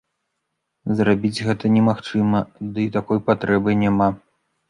Зрабіць гэта немагчыма, дый такой патрэбы няма.